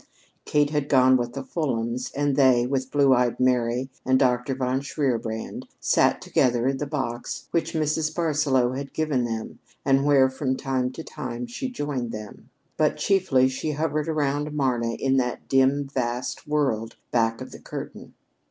Kate had gone with the Fulhams and they, with Blue eyed Mary and Dr. von Shierbrand, sat together in the box which Mrs. Barsaloux had given them, and where, from time to time, she joined them. But chiefly she hovered around Marna in that dim vast world back of the curtain.